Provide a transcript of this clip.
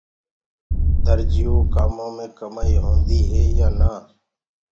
درجيو ڪآمون مي ڪمآئي هوندي هي يآن نآ